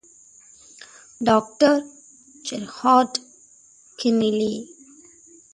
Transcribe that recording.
Doctor Gerhard Kienle.